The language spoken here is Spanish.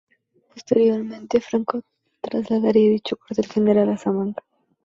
Posteriormente, Franco trasladaría dicho cuartel general a Salamanca.